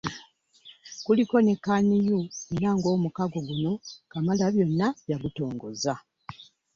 Kuliko ne CAN U, era ng'omukago guno Kamalabyonna y'agutongozza.